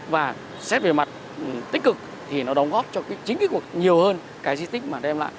và xét về mặt tích cực thì nó đóng góp cho chính cái cuộc nhiều hơn cái di tích mà đem lại